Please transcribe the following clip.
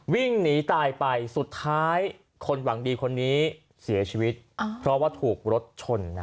วิ่งหนีตายไปสุดท้ายคนหวังดีคนนี้เสียชีวิตเพราะว่าถูกรถชน